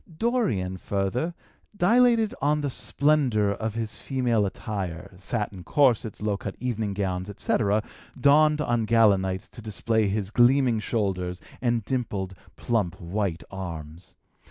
Dorian, further, dilated on the splendor of his female attire, satin corsets, low cut evening gowns, etc., donned on gala nights to display his gleaming shoulders and dimpled, plump, white arms.